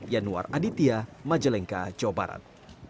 yanuar aditya majalengka jawa barat